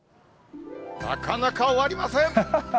なかなか終わりません。